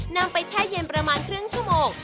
นำไปแช่เย็นประมาณครึ่งชั่วโมง